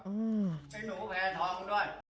ให้หนูแพทองด้วย